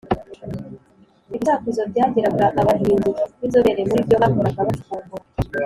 Ibisakuzo byagiraga abahimbyi b’inzobere muri byo bahoraga bacukumbura